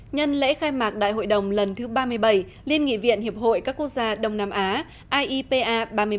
nhân lễ khai mạc đại hội đồng lần thứ ba mươi bảy liên nghị viện hiệp hội các quốc gia đông nam á iepa ba mươi bảy